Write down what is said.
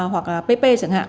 hoặc là pp chẳng hạn